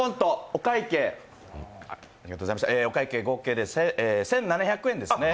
お会計、合計で１７００円ですね。